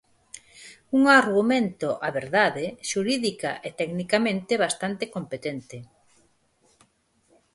¡Un argumento, a verdade, xurídica e tecnicamente bastante competente!